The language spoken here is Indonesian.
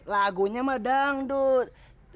lagunya mah dangdut